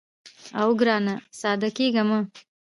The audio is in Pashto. اوو ګرانه ساده کېږه مه.